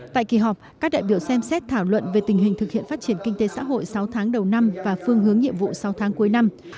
tại kỳ họp các đại biểu xem xét thảo luận về tình hình thực hiện phát triển kinh tế xã hội sáu tháng đầu năm và phương hướng nhiệm vụ sáu tháng cuối năm